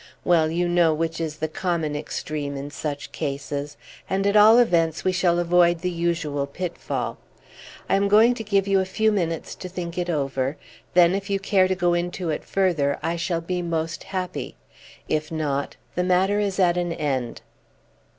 Well, you know which is the common extreme in such cases; and at all events we shall avoid the usual pitfall. I am going to give you a few minutes to think it over; then, if you care to go into it further, I shall be most happy; if not, the matter is at an end."